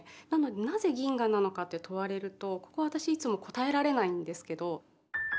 なのでなぜ銀河なのかって問われるとここは私いつも答えられないんですけど。